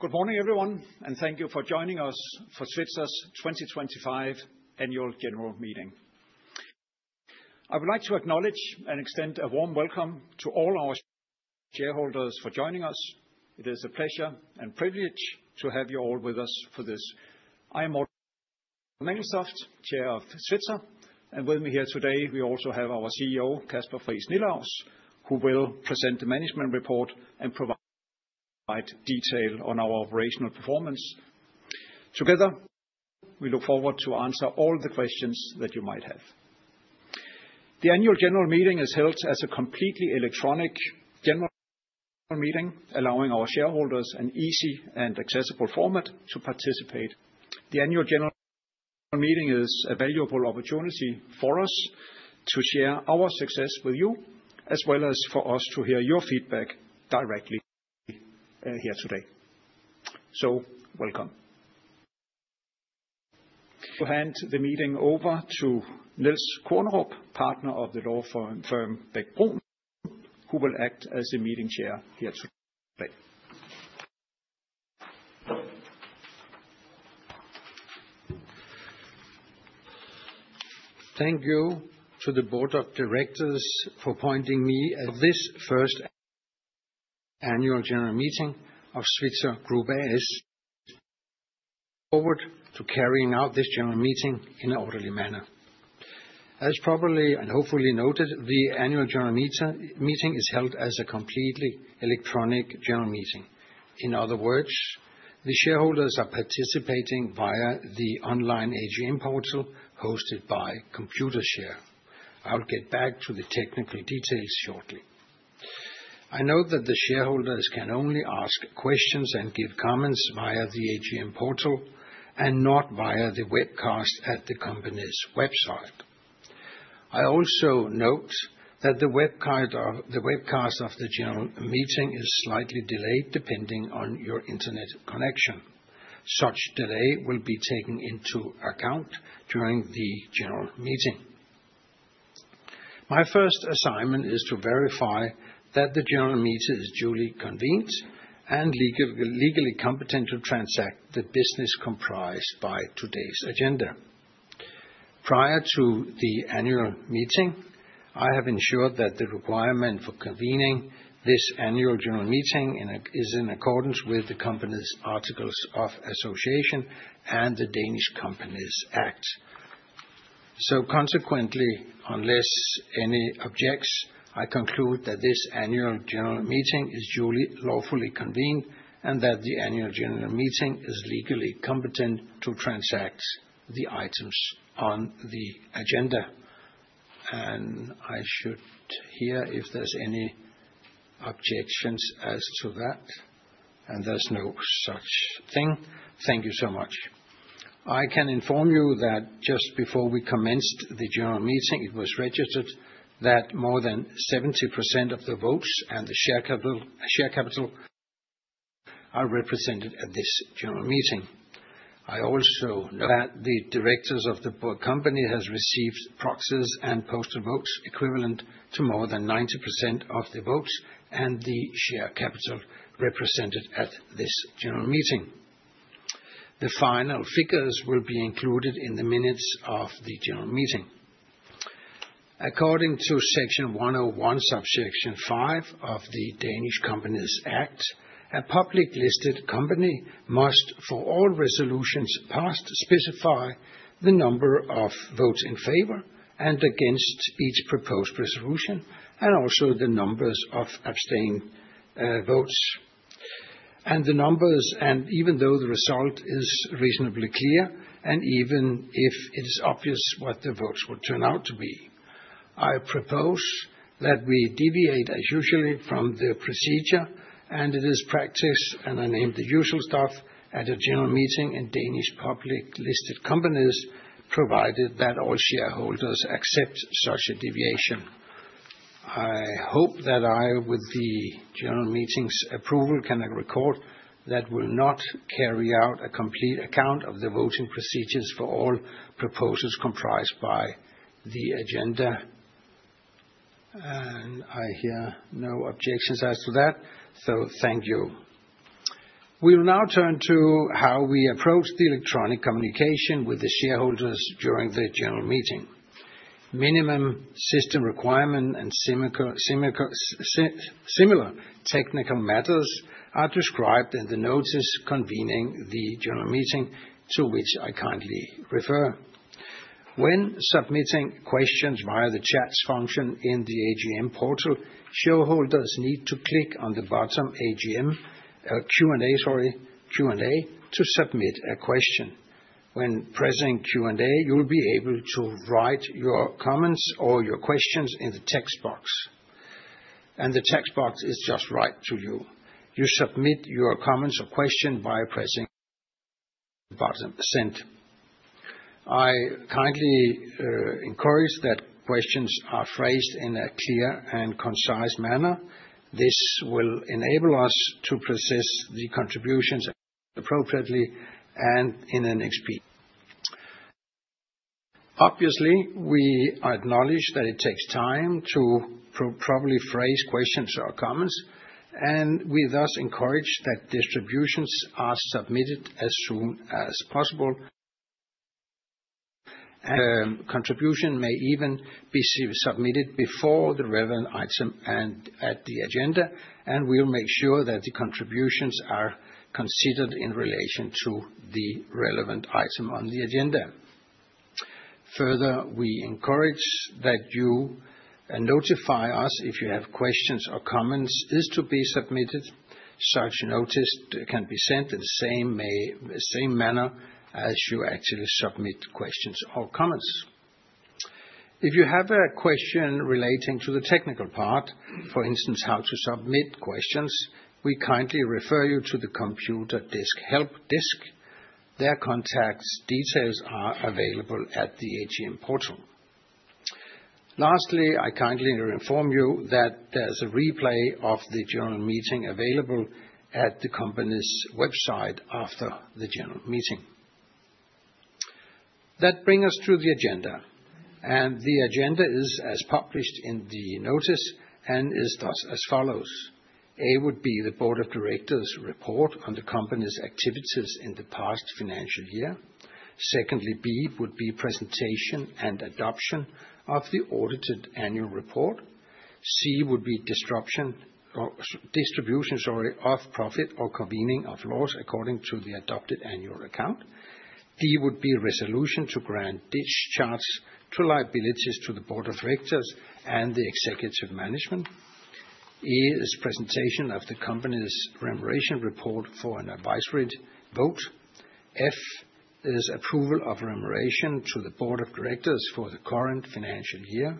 Good morning, everyone, and thank you for joining us for Svitzer's 2025 Annual General Meeting. I would like to acknowledge and extend a warm welcome to all our shareholders for joining us. It is a pleasure and privilege to have you all with us for this. I am Morten Engeltoft, Chair of Svitzer, and with me here today we also have our CEO, Kasper Friis Nilaus, who will present the management report and provide detail on our operational performance. Together, we look forward to answering all the questions that you might have. The Annual General Meeting is held as a completely electronic general meeting, allowing our shareholders an easy and accessible format to participate. The Annual General Meeting is a valuable opportunity for us to share our success with you, as well as for us to hear your feedback directly here today. Welcome. I will hand the meeting over to Niels Kornerup, partner of the law firm Bech-Bruun, who will act as the meeting chair here today. Thank you to the board of directors for appointing me for this first Annual General Meeting of Svitzer Group A/S, looking forward to carrying out this general meeting in an orderly manner. As probably and hopefully noted, the Annual General Meeting is held as a completely electronic general meeting. In other words, the shareholders are participating via the online AGM portal hosted by Computershare. I'll get back to the technical details shortly. I note that the shareholders can only ask questions and give comments via the AGM portal and not via the webcast at the company's website. I also note that the webcast of the general meeting is slightly delayed depending on your internet connection. Such delay will be taken into account during the general meeting. My first assignment is to verify that the general meeting is duly convened and legally competent to transact the business comprised by today's agenda. Prior to the annual meeting, I have ensured that the requirement for convening this annual general meeting is in accordance with the company's articles of association and the Danish Companies Act. Consequently, unless any objects, I conclude that this annual general meeting is duly lawfully convened and that the annual general meeting is legally competent to transact the items on the agenda. I should hear if there's any objections as to that, and there's no such thing. Thank you so much. I can inform you that just before we commenced the general meeting, it was registered that more than 70% of the votes and the share capital are represented at this general meeting. I also note that the directors of the company have received proxies and postal votes equivalent to more than 90% of the votes and the share capital represented at this general meeting. The final figures will be included in the minutes of the general meeting. According to Section 101, Subsection 5 of the Danish Companies Act, a public listed company must, for all resolutions passed, specify the number of votes in favor and against each proposed resolution, and also the numbers of abstaining votes. The numbers, and even though the result is reasonably clear, and even if it is obvious what the votes would turn out to be, I propose that we deviate as usual from the procedure, and it is practice, and I name the usual stuff, at a general meeting in Danish public listed companies, provided that all shareholders accept such a deviation. I hope that I, with the general meeting's approval, can record that we will not carry out a complete account of the voting procedures for all proposals comprised by the agenda. I hear no objections as to that, so thank you. We will now turn to how we approach the electronic communication with the shareholders during the general meeting. Minimum system requirement and similar technical matters are described in the notice convening the general meeting, to which I kindly refer. When submitting questions via the chat function in the AGM portal, shareholders need to click on the bottom AGM Q&A to submit a question. When pressing Q&A, you will be able to write your comments or your questions in the text box. The text box is just right to you. You submit your comments or questions by pressing the button Send. I kindly encourage that questions are phrased in a clear and concise manner. This will enable us to process the contributions appropriately and in an expedited manner. Obviously, we acknowledge that it takes time to properly phrase questions or comments, and we thus encourage that contributions are submitted as soon as possible. Contributions may even be submitted before the relevant item on the agenda, and we will make sure that the contributions are considered in relation to the relevant item on the agenda. Further, we encourage that you notify us if you have questions or comments to be submitted. Such notice can be sent in the same manner as you actually submit questions or comments. If you have a question relating to the technical part, for instance, how to submit questions, we kindly refer you to the computer desk help desk. Their contact details are available at the AGM portal. Lastly, I kindly inform you that there's a replay of the general meeting available at the company's website after the general meeting. That brings us to the agenda. The agenda is as published in the notice and is thus as follows. A would be the board of directors' report on the company's activities in the past financial year. Secondly, B would be presentation and adoption of the audited annual report. C would be distribution of profit or convening of laws according to the adopted annual account. D would be resolution to grant discharge to liabilities to the board of directors and the executive management. E is presentation of the company's remuneration report for an advisory vote. F is approval of remuneration to the board of directors for the current financial year.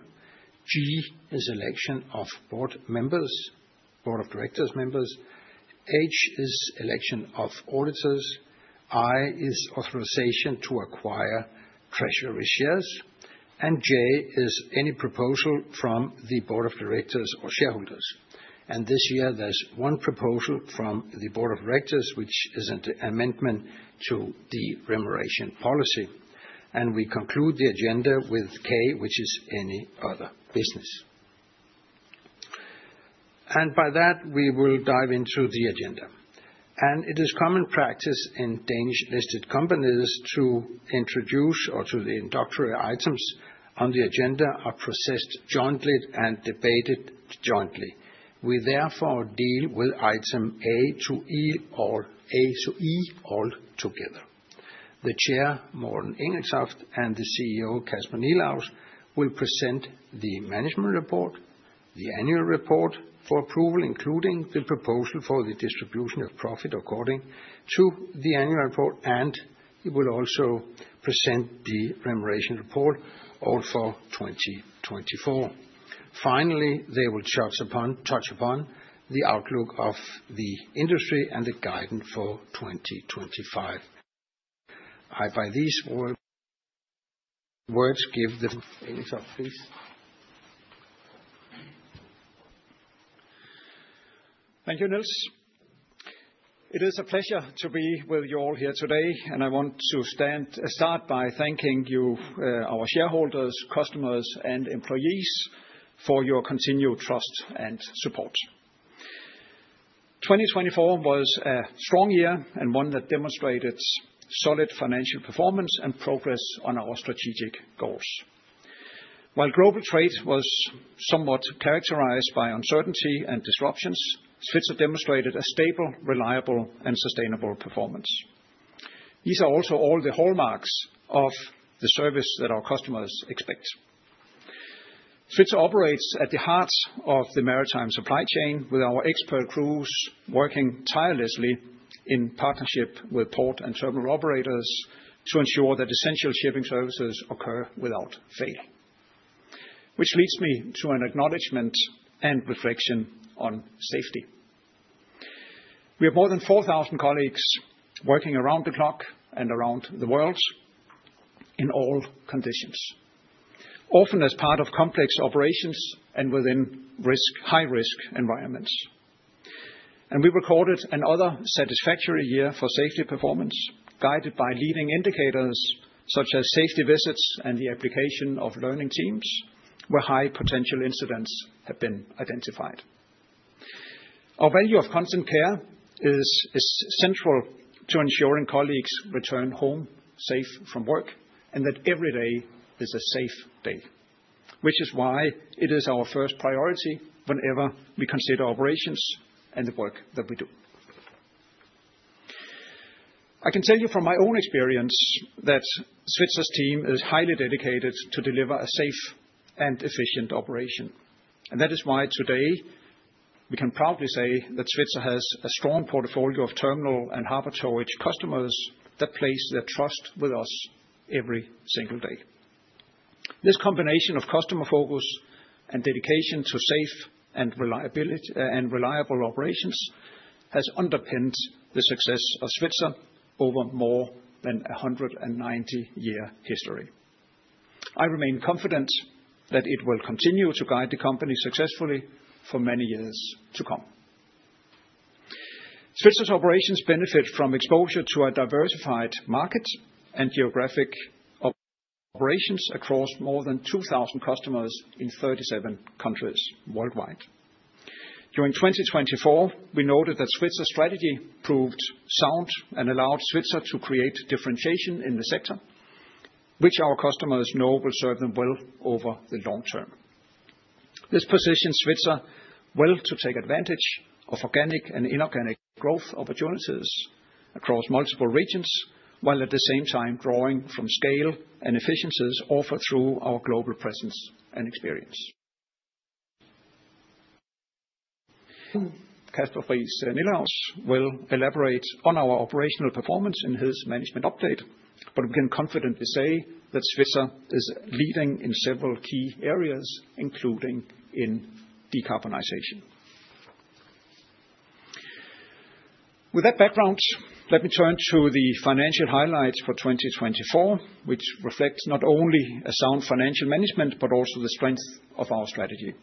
G is election of board members, board of directors members. H is election of auditors. I is authorization to acquire treasury shares. J is any proposal from the board of directors or shareholders. This year, there is one proposal from the board of directors, which is an amendment to the remuneration policy. We conclude the agenda with K, which is any other business. By that, we will dive into the agenda. It is common practice in Danish listed companies to introduce or to inductory items on the agenda are processed jointly and debated jointly. We therefore deal with item A to E all together. The Chair, Morten Engelstoft, and the CEO, Kasper Friis Nilaus, will present the management report, the annual report for approval, including the proposal for the distribution of profit according to the annual report, and he will also present the remuneration report all for 2024. Finally, they will touch upon the outlook of the industry and the guidance for 2025. I, by these words, give the floor to Nils Kornerup. Thank you, Niels. It is a pleasure to be with you all here today, and I want to start by thanking you, our shareholders, customers, and employees, for your continued trust and support. 2024 was a strong year and one that demonstrated solid financial performance and progress on our strategic goals. While global trade was somewhat characterized by uncertainty and disruptions, Svitzer demonstrated a stable, reliable, and sustainable performance. These are also all the hallmarks of the service that our customers expect. Svitzer operates at the heart of the maritime supply chain with our expert crews working tirelessly in partnership with port and terminal operators to ensure that essential shipping services occur without fail. Which leads me to an acknowledgment and reflection on safety. We have more than 4,000 colleagues working around the clock and around the world in all conditions, often as part of complex operations and within high-risk environments. We recorded another satisfactory year for safety performance, guided by leading indicators such as safety visits and the application of learning teams where high potential incidents have been identified. Our value of constant care is central to ensuring colleagues return home safe from work and that every day is a safe day, which is why it is our first priority whenever we consider operations and the work that we do. I can tell you from my own experience that Svitzer's team is highly dedicated to deliver a safe and efficient operation. That is why today we can proudly say that Svitzer has a strong portfolio of terminal and harbor towage customers that place their trust with us every single day. This combination of customer focus and dedication to safe and reliable operations has underpinned the success of Svitzer over more than a 190-year history. I remain confident that it will continue to guide the company successfully for many years to come. Svitzer's operations benefit from exposure to a diversified market and geographic operations across more than 2,000 customers in 37 countries worldwide. During 2024, we noted that Svitzer's strategy proved sound and allowed Svitzer to create differentiation in the sector, which our customers know will serve them well over the long term. This positions Svitzer well to take advantage of organic and inorganic growth opportunities across multiple regions, while at the same time drawing from scale and efficiencies offered through our global presence and experience. Kasper Friis Nilaus will elaborate on our operational performance in his management update, but we can confidently say that Svitzer is leading in several key areas, including in decarbonization. With that background, let me turn to the financial highlights for 2024, which reflect not only a sound financial management, but also the strength of our strategy.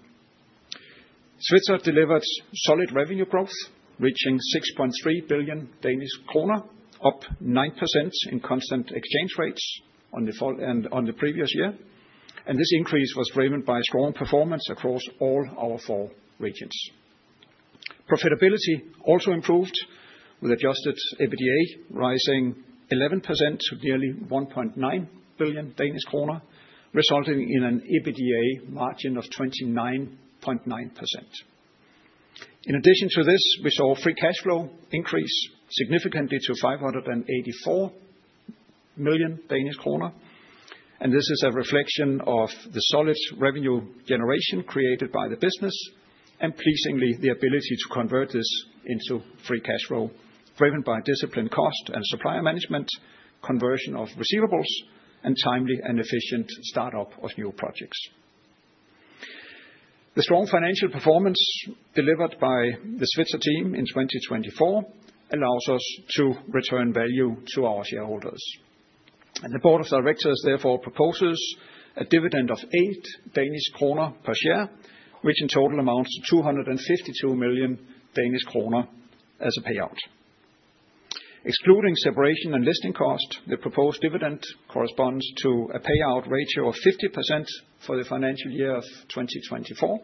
Svitzer delivered solid revenue growth, reaching 6.3 billion Danish kroner, up 9% in constant exchange rates on the previous year. This increase was driven by strong performance across all our four regions. Profitability also improved with adjusted EBITDA rising 11% to nearly 1.9 billion Danish kroner, resulting in an EBITDA margin of 29.9%. In addition to this, we saw free cash flow increase significantly to 584 million Danish kroner. This is a reflection of the solid revenue generation created by the business, and pleasingly, the ability to convert this into free cash flow, driven by disciplined cost and supplier management, conversion of receivables, and timely and efficient startup of new projects. The strong financial performance delivered by the Svitzer team in 2024 allows us to return value to our shareholders. The board of directors therefore proposes a dividend of 8 Danish kroner per share, which in total amounts to 252 million Danish kroner as a payout. Excluding separation and listing cost, the proposed dividend corresponds to a payout ratio of 50% for the financial year of 2024.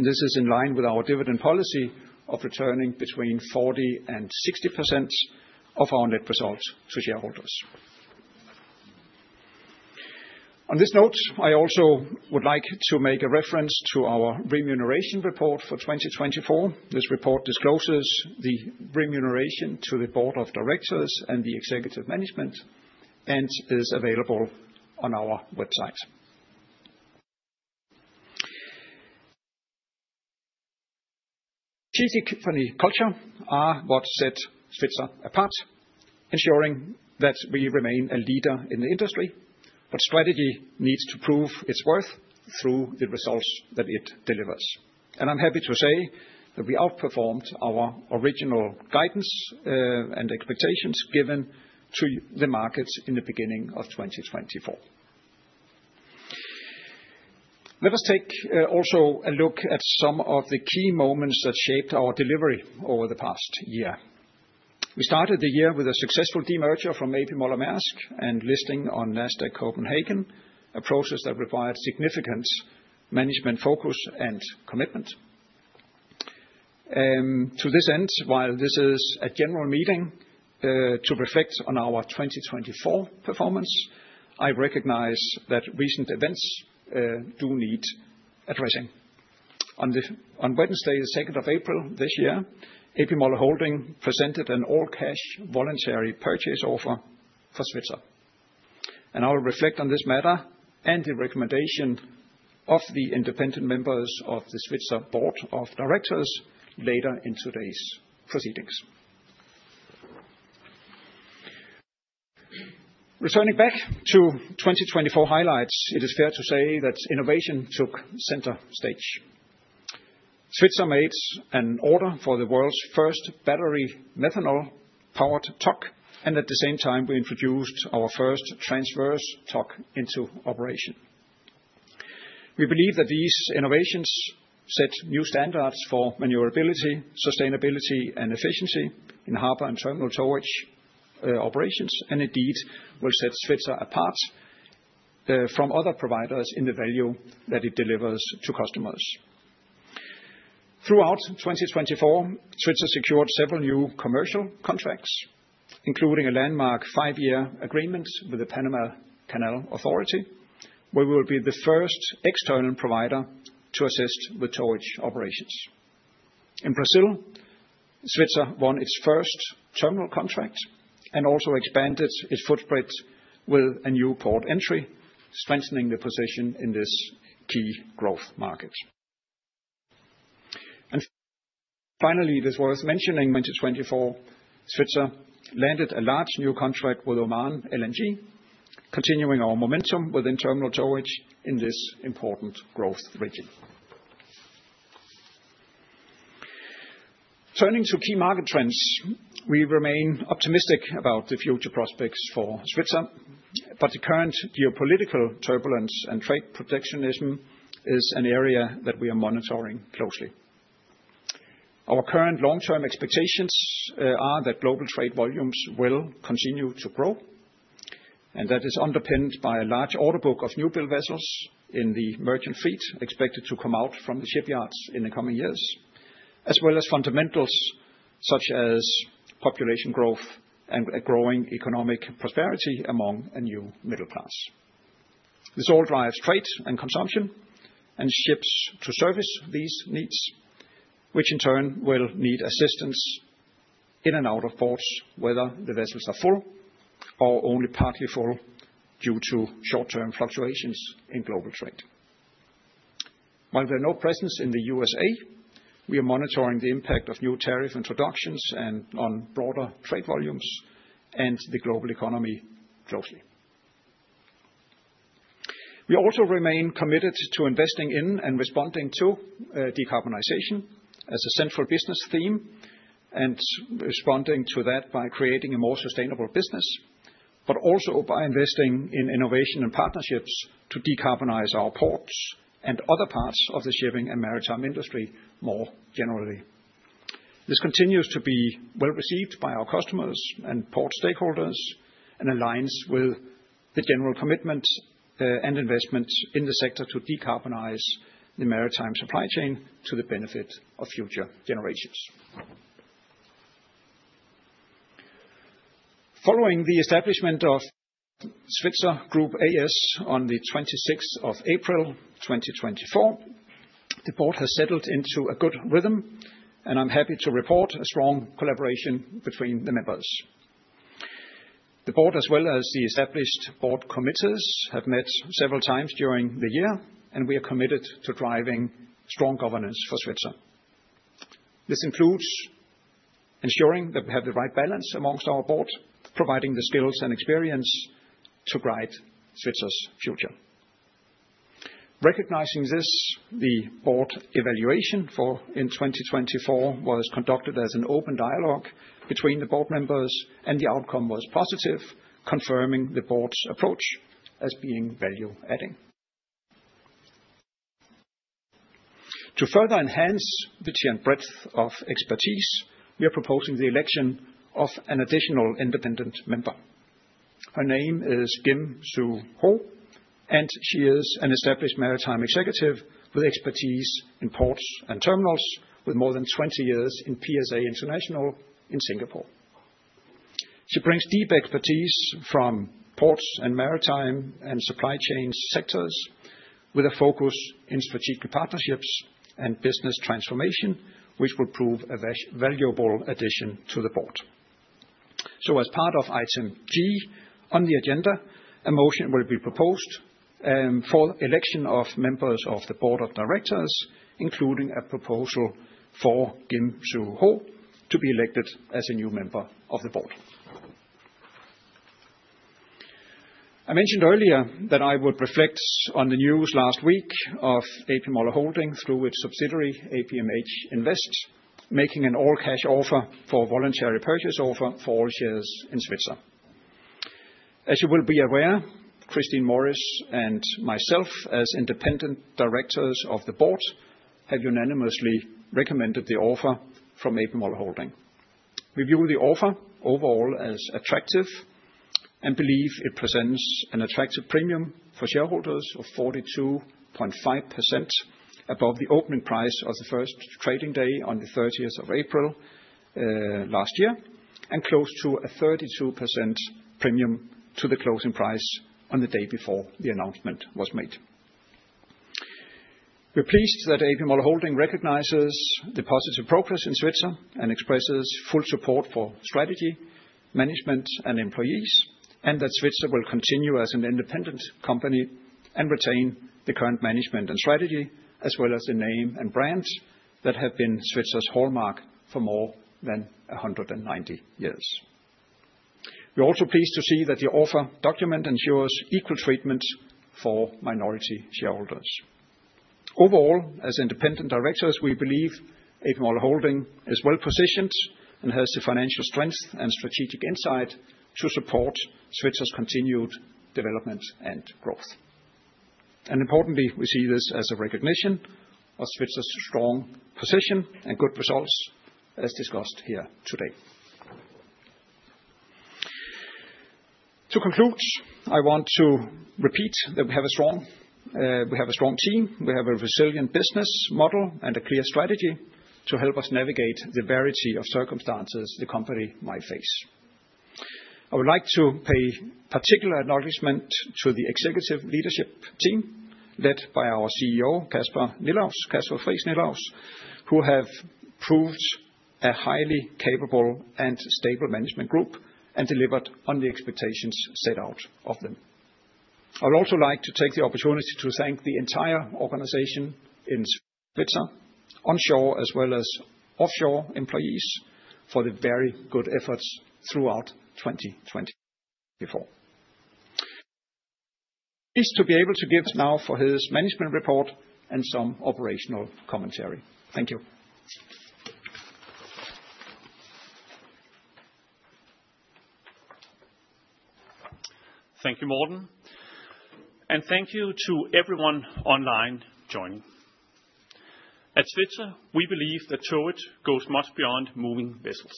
This is in line with our dividend policy of returning between 40% and 60% of our net result to shareholders. On this note, I also would like to make a reference to our remuneration report for 2024. This report discloses the remuneration to the board of directors and the executive management and is available on our website. Strategy for the culture are what set Svitzer apart, ensuring that we remain a leader in the industry, but strategy needs to prove its worth through the results that it delivers. I am happy to say that we outperformed our original guidance and expectations given to the markets in the beginning of 2024. Let us take also a look at some of the key moments that shaped our delivery over the past year. We started the year with a successful demerger from AP Moller Maersk and listing on Nasdaq Copenhagen, a process that required significant management focus and commitment. To this end, while this is a general meeting to reflect on our 2024 performance, I recognize that recent events do need addressing. On Wednesday, the 2nd of April this year, AP Moller Holding presented an all-cash voluntary purchase offer for Svitzer. I will reflect on this matter and the recommendation of the independent members of the Svitzer board of directors later in today's proceedings. Returning back to 2024 highlights, it is fair to say that innovation took center stage. Svitzer made an order for the world's first battery methanol-powered tug, and at the same time, we introduced our first transverse tug into operation. We believe that these innovations set new standards for maneuverability, sustainability, and efficiency in harbor and terminal towage operations, and indeed will set Svitzer apart from other providers in the value that it delivers to customers. Throughout 2024, Svitzer secured several new commercial contracts, including a landmark five-year agreement with the Panama Canal Authority, where we will be the first external provider to assist with towage operations. In Brazil, Svitzer won its first terminal contract and also expanded its footprint with a new port entry, strengthening the position in this key growth market. Finally, it is worth mentioning that in 2024, Svitzer landed a large new contract with Oman LNG, continuing our momentum within terminal towage in this important growth region. Turning to key market trends, we remain optimistic about the future prospects for Svitzer, but the current geopolitical turbulence and trade protectionism is an area that we are monitoring closely. Our current long-term expectations are that global trade volumes will continue to grow, and that is underpinned by a large order book of new build vessels in the merchant fleet expected to come out from the shipyards in the coming years, as well as fundamentals such as population growth and growing economic prosperity among a new middle class. This all drives trade and consumption and ships to service these needs, which in turn will need assistance in and out of ports, whether the vessels are full or only partly full due to short-term fluctuations in global trade. While we have no presence in the U.S.A., we are monitoring the impact of new tariff introductions and on broader trade volumes and the global economy closely. We also remain committed to investing in and responding to decarbonization as a central business theme and responding to that by creating a more sustainable business, but also by investing in innovation and partnerships to decarbonize our ports and other parts of the shipping and maritime industry more generally. This continues to be well received by our customers and port stakeholders and aligns with the general commitment and investment in the sector to decarbonize the maritime supply chain to the benefit of future generations. Following the establishment of Svitzer Group A/S on the 26th of April 2024, the board has settled into a good rhythm, and I'm happy to report a strong collaboration between the members. The board, as well as the established board committees, have met several times during the year, and we are committed to driving strong governance for Svitzer. This includes ensuring that we have the right balance amongst our board, providing the skills and experience to guide Svitzer's future. Recognizing this, the board evaluation in 2024 was conducted as an open dialogue between the board members, and the outcome was positive, confirming the board's approach as being value-adding. To further enhance the breadth of expertise, we are proposing the election of an additional independent member. Her name is Kim Soo Ho, and she is an established maritime executive with expertise in ports and terminals, with more than 20 years in PSA International in Singapore. She brings deep expertise from ports and maritime and supply chain sectors with a focus in strategic partnerships and business transformation, which will prove a valuable addition to the board. As part of item G on the agenda, a motion will be proposed for the election of members of the board of directors, including a proposal for Kim Soo Ho to be elected as a new member of the board. I mentioned earlier that I would reflect on the news last week of AP Moller Holding through its subsidiary APMH Invest, making an all-cash offer for voluntary purchase offer for all shares in Svitzer. As you will be aware, Christine Morris and myself, as independent directors of the board, have unanimously recommended the offer from AP Moller Holding. We view the offer overall as attractive and believe it presents an attractive premium for shareholders of 42.5% above the opening price of the first trading day on the 30th of April last year and close to a 32% premium to the closing price on the day before the announcement was made. We're pleased that AP Moller Holding recognizes the positive progress in Svitzer and expresses full support for strategy, management, and employees, and that Svitzer will continue as an independent company and retain the current management and strategy, as well as the name and brand that have been Svitzer's hallmark for more than 190 years. We're also pleased to see that the offer document ensures equal treatment for minority shareholders. Overall, as independent directors, we believe AP Moller Holding is well positioned and has the financial strength and strategic insight to support Svitzer's continued development and growth. Importantly, we see this as a recognition of Svitzer's strong position and good results, as discussed here today. To conclude, I want to repeat that we have a strong team, we have a resilient business model, and a clear strategy to help us navigate the variety of circumstances the company might face. I would like to pay particular acknowledgment to the executive leadership team led by our CEO, Kasper Friis Nilaus, who have proved a highly capable and stable management group and delivered on the expectations set out of them. I would also like to take the opportunity to thank the entire organization in Svitzer, onshore as well as offshore employees, for the very good efforts throughout 2024. Pleased to be able to give now for his management report and some operational commentary. Thank you. Thank you, Morten. Thank you to everyone online joining. At Svitzer, we believe that towage goes much beyond moving vessels.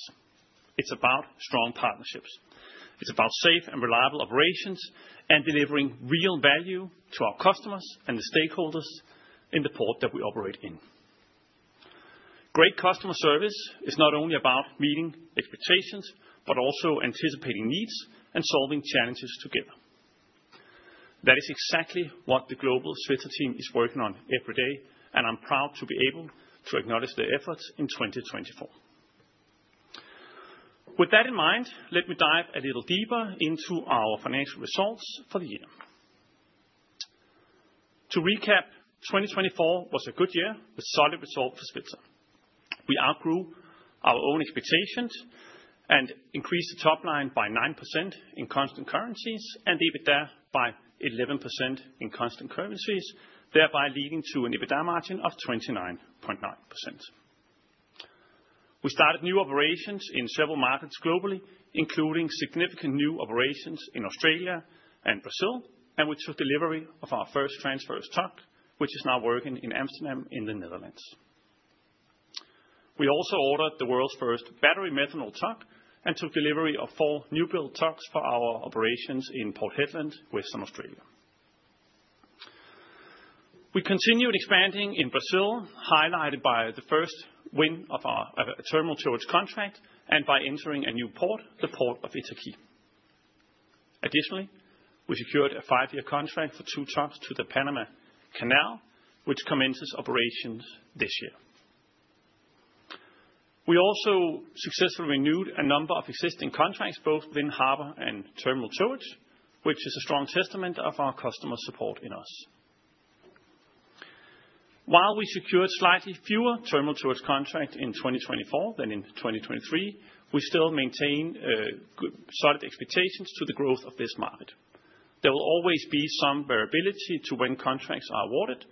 It is about strong partnerships. It is about safe and reliable operations and delivering real value to our customers and the stakeholders in the port that we operate in. Great customer service is not only about meeting expectations, but also anticipating needs and solving challenges together. That is exactly what the global Svitzer team is working on every day, and I am proud to be able to acknowledge their efforts in 2024. With that in mind, let me dive a little deeper into our financial results for the year. To recap, 2024 was a good year with solid results for Svitzer. We outgrew our own expectations and increased the top line by 9% in constant currencies and EBITDA by 11% in constant currencies, thereby leading to an EBITDA margin of 29.9%. We started new operations in several markets globally, including significant new operations in Australia and Brazil, and we took delivery of our first transverse tug, which is now working in Amsterdam in the Netherlands. We also ordered the world's first battery methanol tug and took delivery of four new build tugs for our operations in Port Hedland, Western Australia. We continued expanding in Brazil, highlighted by the first win of our terminal towage contract and by entering a new port, the Port of Itaqui. Additionally, we secured a five-year contract for two tugs to the Panama Canal, which commences operations this year. We also successfully renewed a number of existing contracts both within harbor and terminal towage, which is a strong testament of our customer support in us. While we secured slightly fewer terminal towage contracts in 2024 than in 2023, we still maintain solid expectations to the growth of this market. There will always be some variability to when contracts are awarded,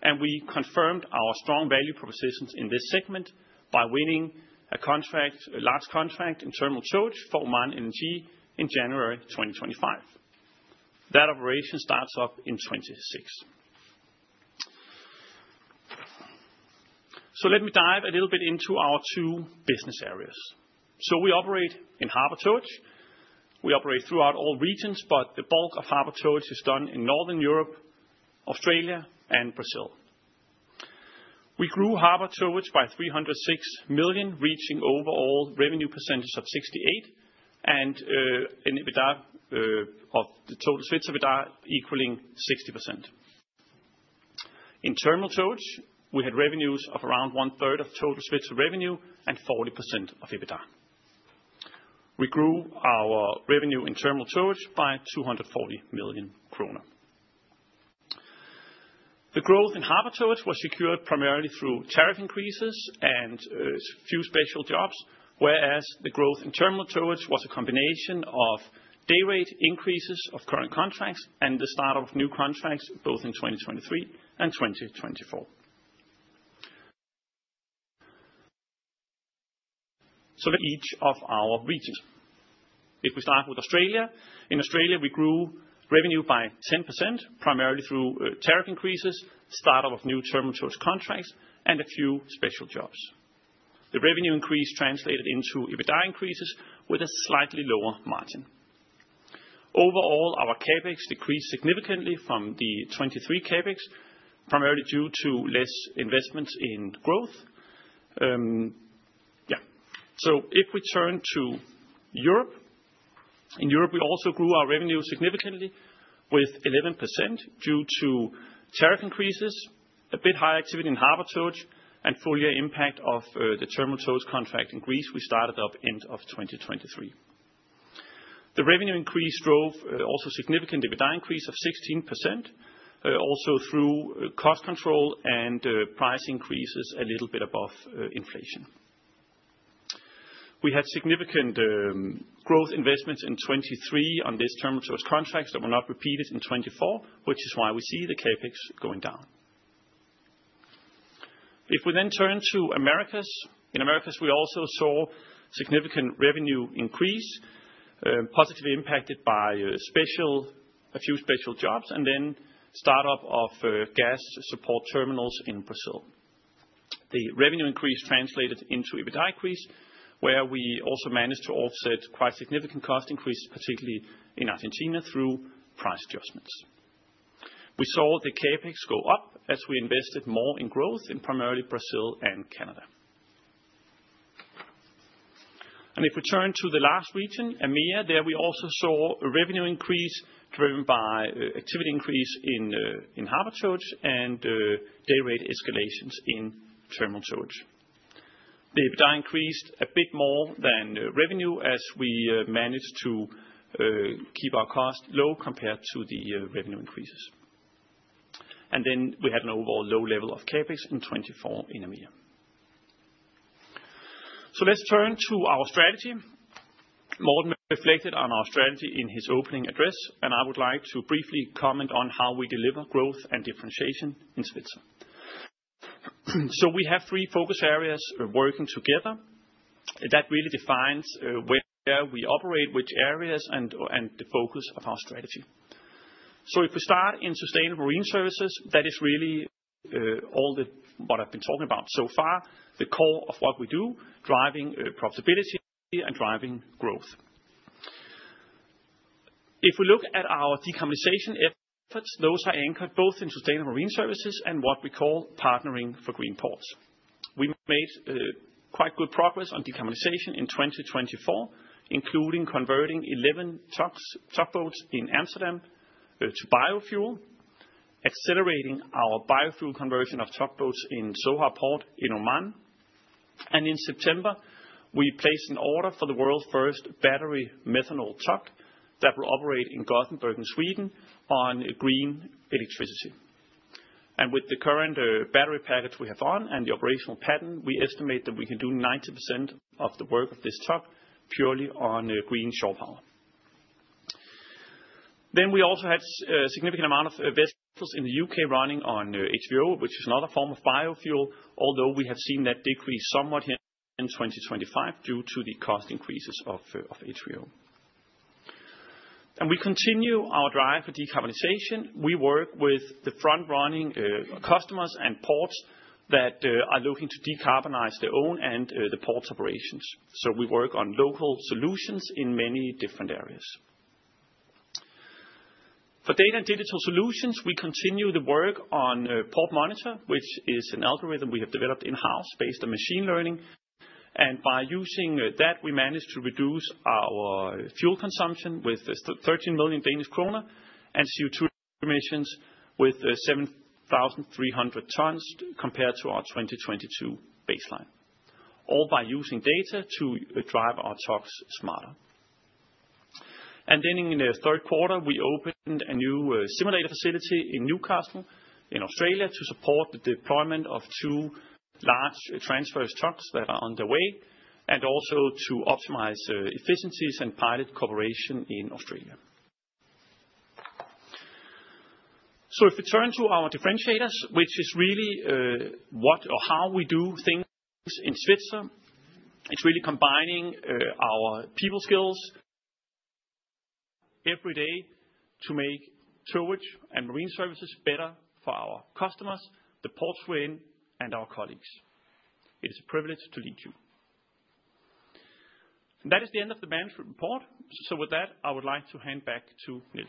and we confirmed our strong value propositions in this segment by winning a large contract in terminal towage for Oman LNG in January 2025. That operation starts up in 2026. Let me dive a little bit into our two business areas. We operate in harbor towage. We operate throughout all regions, but the bulk of harbor towage is done in Northern Europe, Australia, and Brazil. We grew harbor towage by 306 million, reaching overall revenue percentage of 68% and an EBITDA of the total Svitzer EBITDA equaling 60%. In terminal towage, we had revenues of around one-third of total Svitzer revenue and 40% of EBITDA. We grew our revenue in terminal towage by 240 million kroner. The growth in harbor towage was secured primarily through tariff increases and a few special jobs, whereas the growth in terminal towage was a combination of day rate increases of current contracts and the start of new contracts both in 2023 and 2024. Each of our regions. If we start with Australia, in Australia, we grew revenue by 10% primarily through tariff increases, the start of new terminal towage contracts, and a few special jobs. The revenue increase translated into EBITDA increases with a slightly lower margin. Overall, our CapEx decreased significantly from the 2023 CapEx, primarily due to less investment in growth. Yeah. If we turn to Europe, in Europe, we also grew our revenue significantly with 11% due to tariff increases, a bit higher activity in harbor towage, and fully impact of the terminal towage contract in Greece we started up end of 2023. The revenue increase drove also a significant EBITDA increase of 16%, also through cost control and price increases a little bit above inflation. We had significant growth investments in 2023 on these terminal towage contracts that were not repeated in 2024, which is why we see the CapEx going down. If we then turn to Americas, in Americas, we also saw significant revenue increase, positively impacted by a few special jobs and then startup of gas support terminals in Brazil. The revenue increase translated into EBITDA increase, where we also managed to offset quite significant cost increases, particularly in Argentina through price adjustments. We saw the CapEx go up as we invested more in growth in primarily Brazil and Canada. If we turn to the last region, EMEA, there we also saw a revenue increase driven by activity increase in harbor towage and day rate escalations in terminal towage. The EBITDA increased a bit more than revenue as we managed to keep our cost low compared to the revenue increases. We had an overall low level of CapEx in 2024 in EMEA. Let's turn to our strategy. Morten reflected on our strategy in his opening address, and I would like to briefly comment on how we deliver growth and differentiation in Svitzer. We have three focus areas working together. That really defines where we operate, which areas, and the focus of our strategy. If we start in sustainable marine services, that is really all what I've been talking about so far, the core of what we do, driving profitability and driving growth. If we look at our decarbonization efforts, those are anchored both in sustainable marine services and what we call partnering for green ports. We made quite good progress on decarbonization in 2024, including converting 11 tugboats in Amsterdam to biofuel, accelerating our biofuel conversion of tugboats in Sohar Port in Oman. In September, we placed an order for the world's first battery methanol tug that will operate in Gothenburg, Sweden, on green electricity. With the current battery package we have on and the operational pattern, we estimate that we can do 90% of the work of this tug purely on green shore power. We also had a significant amount of vessels in the U.K. running on HVO, which is another form of biofuel, although we have seen that decrease somewhat in 2025 due to the cost increases of HVO. We continue our drive for decarbonization. We work with the front-running customers and ports that are looking to decarbonize their own and the port's operations. We work on local solutions in many different areas. For data and digital solutions, we continue the work on Port Monitor, which is an algorithm we have developed in-house based on machine learning. By using that, we managed to reduce our fuel consumption by 13 million Danish kroner and CO2 emissions by 7,300 tons compared to our 2022 baseline, all by using data to drive our tugs smarter. In the third quarter, we opened a new simulator facility in Newcastle in Australia to support the deployment of two large transverse tugs that are underway and also to optimize efficiencies and pilot cooperation in Australia. If we turn to our differentiators, which is really what or how we do things in Svitzer, it's really combining our people skills every day to make towage and marine services better for our customers, the ports we're in, and our colleagues. It is a privilege to lead you. That is the end of the management report. With that, I would like to hand back to Niels.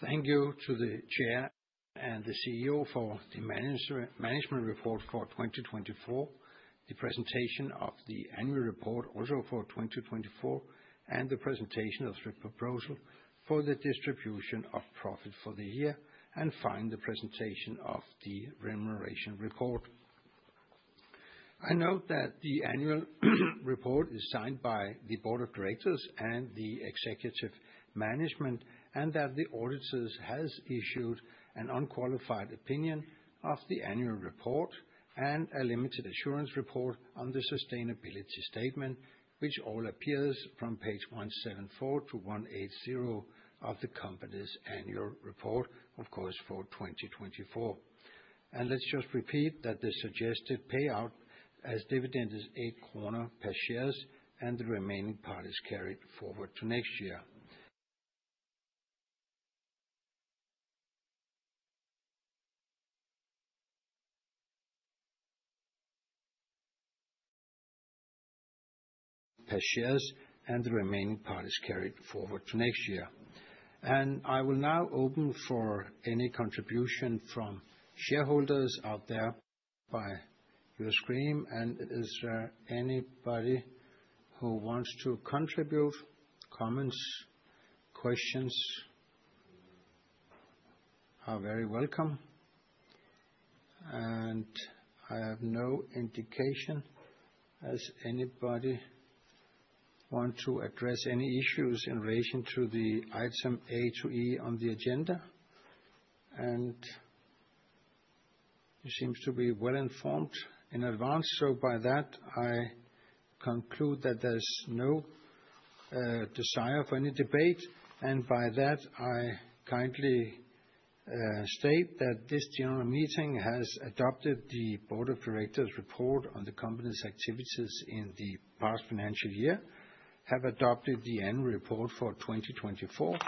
Thank you to the chair and the CEO for the management report for 2024, the presentation of the annual report also for 2024, and the presentation of the proposal for the distribution of profit for the year, and finally, the presentation of the remuneration report. I note that the annual report is signed by the board of directors and the executive management, and that the auditors have issued an unqualified opinion of the annual report and a limited assurance report on the sustainability statement, which all appears from page 174 to 180 of the company's annual report, of course, for 2024. Let's just repeat that the suggested payout as dividend is 8 per share, and the remaining part is carried forward to next year. I will now open for any contribution from shareholders out there. By your scream, and is there anybody who wants to contribute? Comments, questions are very welcome. I have no indication as anybody wants to address any issues in relation to the item A to E on the agenda. It seems to be well informed in advance. By that, I conclude that there's no desire for any debate. By that, I kindly state that this general meeting has adopted the board of directors' report on the company's activities in the past financial year, have adopted the annual report for 2024,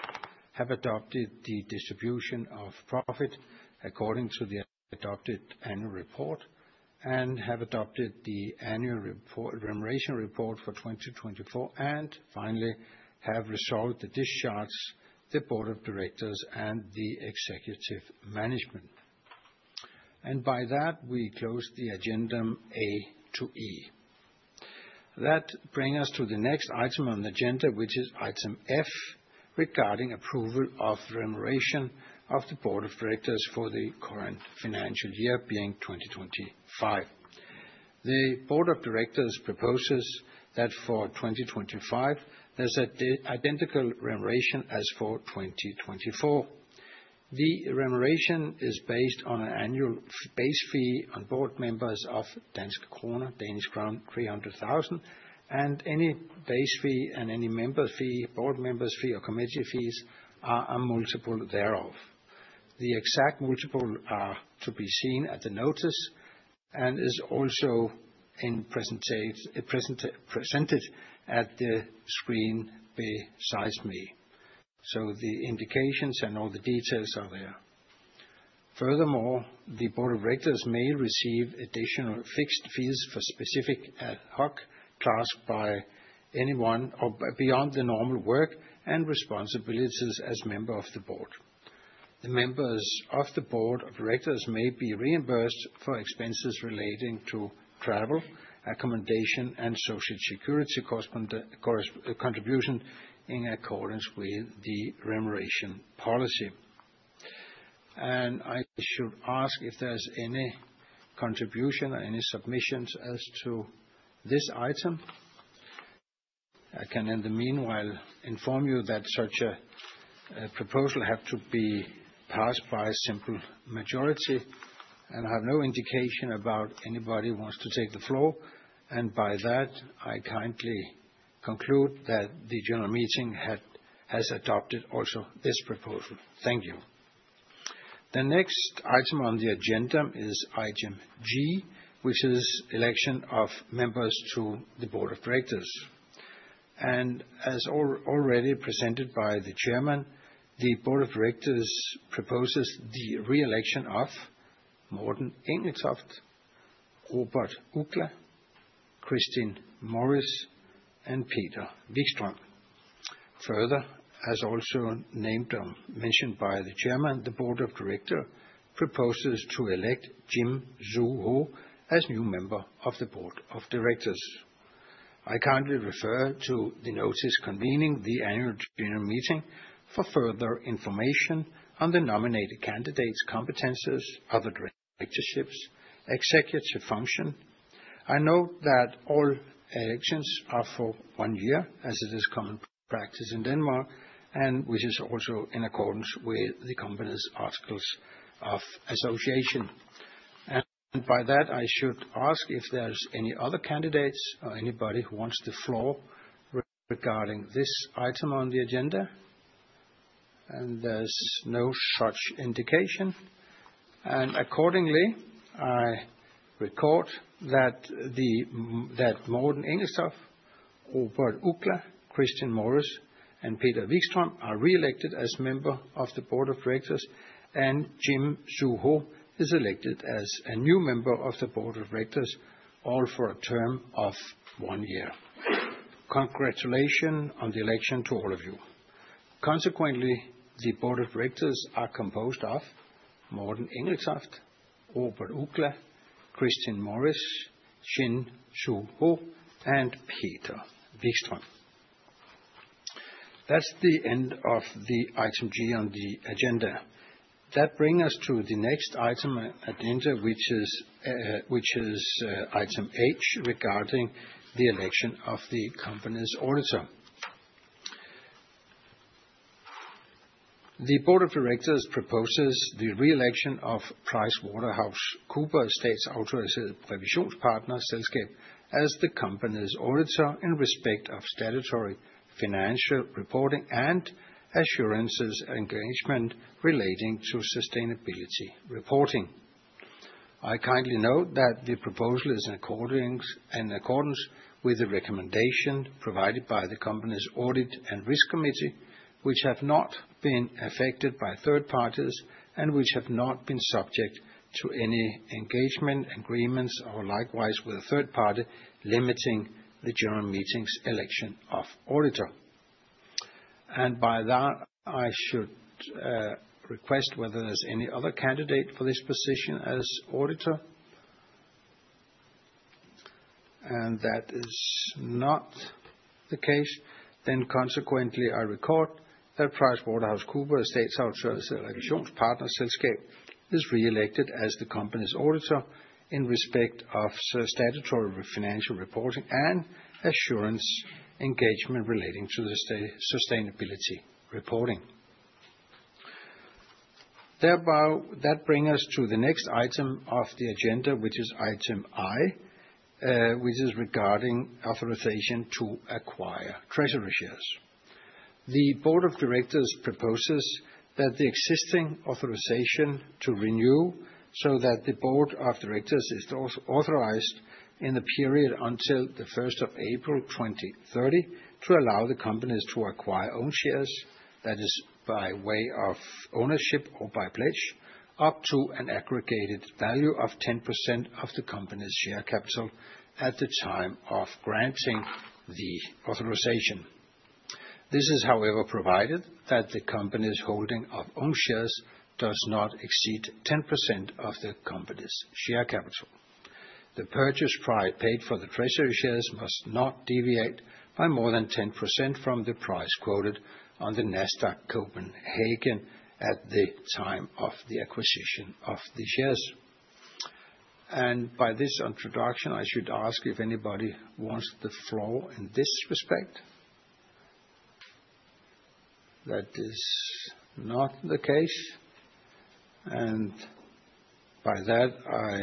have adopted the distribution of profit according to the adopted annual report, and have adopted the annual remuneration report for 2024, and finally, have resolved the discharge, the board of directors, and the executive management. By that, we close the agenda A to E. That brings us to the next item on the agenda, which is item F regarding approval of remuneration of the board of directors for the current financial year being 2025. The board of directors proposes that for 2025, there's an identical remuneration as for 2024. The remuneration is based on an annual base fee on board members of Danish crown 300,000, and any base fee and any member fee, board members fee, or committee fees are a multiple thereof. The exact multiple are to be seen at the notice and is also presented at the screen besides me. The indications and all the details are there. Furthermore, the board of directors may receive additional fixed fees for specific ad hoc tasks by anyone beyond the normal work and responsibilities as a member of the board. The members of the board of directors may be reimbursed for expenses relating to travel, accommodation, and social security contribution in accordance with the remuneration policy. I should ask if there's any contribution or any submissions as to this item. I can in the meanwhile inform you that such a proposal has to be passed by a simple majority, and I have no indication about anybody who wants to take the floor. By that, I kindly conclude that the general meeting has adopted also this proposal. Thank you. The next item on the agenda is item G, which is the election of members to the board of directors. As already presented by the chairman, the board of directors proposes the re-election of Morten H. Engelstoft, Robert M. Uggla, Christine Brennet Morris, and Peter Wikström. Further, as also mentioned by the chairman, the board of directors proposes to elect Kim Soo Ho as a new member of the board of directors. I kindly refer to the notice convening the annual general meeting for further information on the nominated candidates' competences, other directorships, and executive function. I note that all elections are for one year, as it is common practice in Denmark, and which is also in accordance with the company's articles of association. I should ask if there's any other candidates or anybody who wants the floor regarding this item on the agenda. There is no such indication. Accordingly, I record that Morten Engeltoft, Robert Uggla, Christine Morris, and Peter Wikström are re-elected as members of the board of directors, and Kim Soo Ho is elected as a new member of the board of directors, all for a term of one year. Congratulations on the election to all of you. Consequently, the board of directors are composed of Morten Engelstoft, Robert Uggla, Christine Morris, Ghim Siew Ho, and Peter Wikström. That's the end of the item G on the agenda. That brings us to the next item at the end, which is item H regarding the election of the company's auditor. The board of directors proposes the re-election of PricewaterhouseCoopers Statsautoriseret Revisionspartnerselskab as the company's auditor in respect of statutory financial reporting and assurances and engagement relating to sustainability reporting. I kindly note that the proposal is in accordance with the recommendation provided by the company's audit and risk committee, which have not been affected by third parties and which have not been subject to any engagement agreements or likewise with a third party limiting the general meeting's election of auditor. By that, I should request whether there's any other candidate for this position as auditor. That is not the case. Consequently, I record that PricewaterhouseCoopers Statsautoriseret Revisionspartnerselskab is re-elected as the company's auditor in respect of statutory financial reporting and assurance engagement relating to the sustainability reporting. That brings us to the next item of the agenda, which is item I, which is regarding authorization to acquire treasury shares. The board of directors proposes that the existing authorization be renewed so that the board of directors is authorized in the period until the 1st of April 2030 to allow the company to acquire own shares, that is, by way of ownership or by pledge, up to an aggregated value of 10% of the company's share capital at the time of granting the authorization. This is, however, provided that the company's holding of own shares does not exceed 10% of the company's share capital. The purchase price paid for the treasury shares must not deviate by more than 10% from the price quoted on the Nasdaq Copenhagen at the time of the acquisition of the shares. By this introduction, I should ask if anybody wants the floor in this respect. That is not the case. By that, I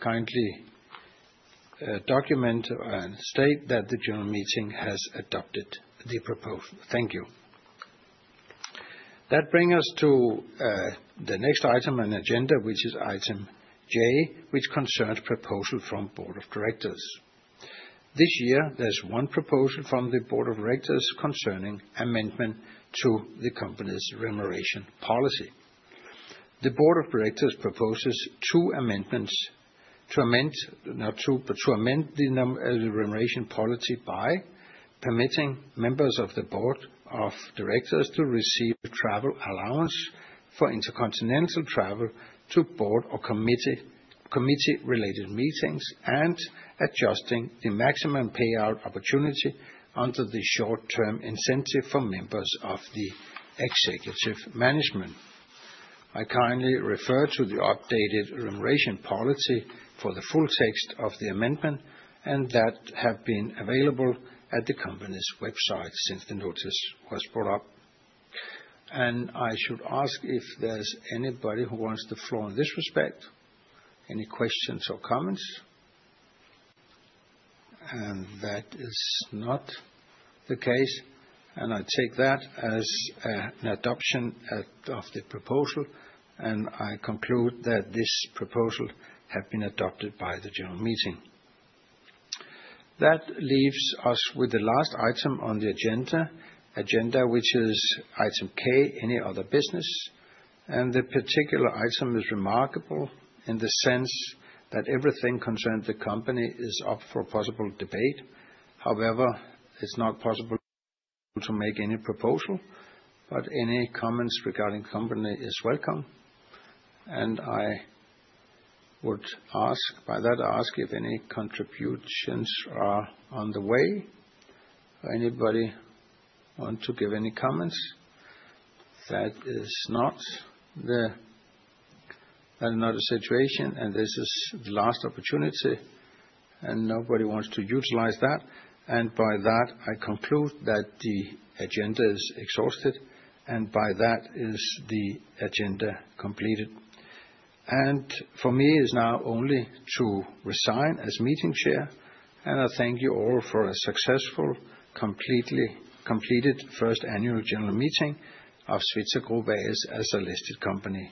kindly document and state that the general meeting has adopted the proposal. Thank you. That brings us to the next item on the agenda, which is item J, which concerns proposals from the board of directors. This year, there's one proposal from the board of directors concerning amendment to the company's remuneration policy. The board of directors proposes two amendments to amend, not two, but to amend the remuneration policy by permitting members of the board of directors to receive travel allowance for intercontinental travel to board or committee-related meetings and adjusting the maximum payout opportunity under the short-term incentive for members of the executive management. I kindly refer to the updated remuneration policy for the full text of the amendment, and that has been available at the company's website since the notice was brought up. I should ask if there's anybody who wants the floor in this respect, any questions or comments. That is not the case. I take that as an adoption of the proposal, and I conclude that this proposal has been adopted by the general meeting. That leaves us with the last item on the agenda, which is item K, any other business. The particular item is remarkable in the sense that everything concerning the company is up for possible debate. However, it is not possible to make any proposal, but any comments regarding the company are welcome. I would ask by that, ask if any contributions are on the way. Anybody want to give any comments? That is not the situation, and this is the last opportunity, and nobody wants to utilize that. By that, I conclude that the agenda is exhausted, and by that, the agenda is completed. For me, it is now only to resign as meeting chair, and I thank you all for a successful, completely completed first annual general meeting of Svitzer Group as a listed company.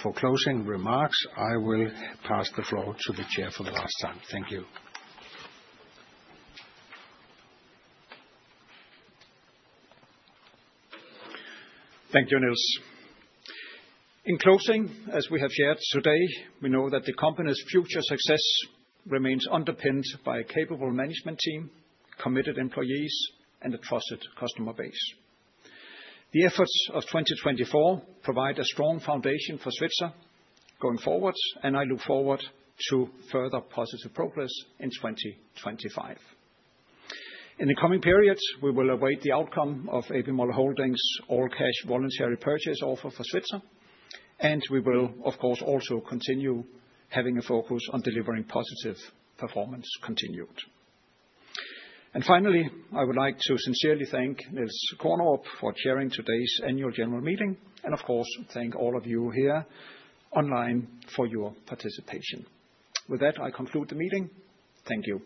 For closing remarks, I will pass the floor to the chair for the last time. Thank you. Thank you, Niels. In closing, as we have shared today, we know that the company's future success remains underpinned by a capable management team, committed employees, and a trusted customer base. The efforts of 2024 provide a strong foundation for Svitzer going forward, and I look forward to further positive progress in 2025. In the coming period, we will await the outcome of A.P. Moller Holding's all-cash voluntary purchase offer for Svitzer, and we will, of course, also continue having a focus on delivering positive performance continued. Finally, I would like to sincerely thank Niels Kornerup for chairing today's annual general meeting, and of course, thank all of you here online for your participation. With that, I conclude the meeting. Thank you.